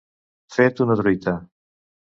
Fet una truita.